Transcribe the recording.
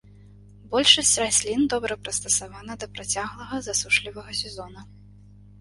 Большасць раслін добра прыстасавана да працяглага засушлівага сезона.